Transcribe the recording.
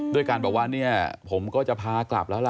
ด้วยการบอกว่าเนี่ยผมก็จะพากลับแล้วล่ะ